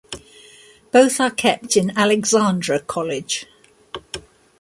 Both are kept in Alexandra college.